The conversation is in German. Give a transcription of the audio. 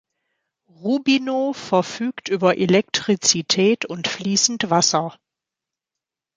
Rubino verfügt über Elektrizität und fließend Wasser.